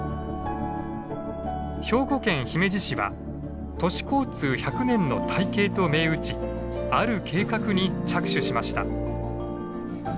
兵庫県姫路市は「都市交通百年の大計」と銘打ちある計画に着手しました。